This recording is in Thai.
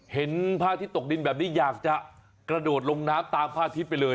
เห็นภาคทิตตกดินแบบนี้อยากจะกระโดดลงน้ำตามภาคทิตไปเลย